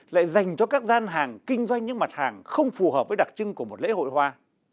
lại dành cho các gian hàng kinh doanh những mặt hàng không phù hợp với đặc trưng của một lễ hội hoa